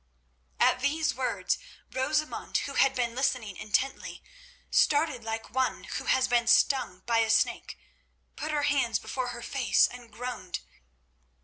At these words Rosamund, who had been listening intently, started like one who has been stung by a snake, put her hands before her face and groaned.